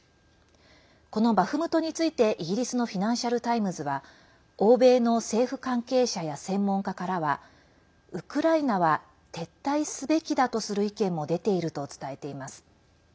このバフムトについてイギリスのフィナンシャル・タイムズは欧米の政府関係者や専門家からはウクライナは撤退すべきだとする意見も出ていると伝えています。